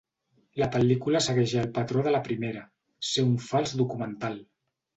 La pel·lícula segueix el patró de la primera, ser un fals documental.